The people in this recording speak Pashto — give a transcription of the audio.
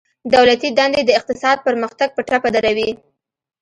دولتي دندي د اقتصاد پرمختګ په ټپه دروي